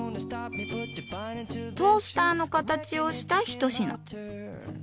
トースターの形をした一品。